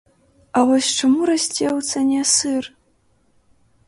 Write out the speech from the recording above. А вось чаму расце ў цане сыр?